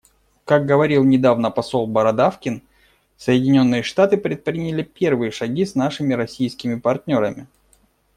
Как говорил недавно посол Бородавкин, Соединенные Штаты предприняли первые шаги с нашими российскими партнерами.